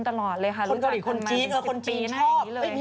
คนเกาหลีคนจีนชอบ